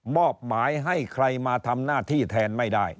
อบหมายให้ใครมาทำหน้าที่แทนไม่ได้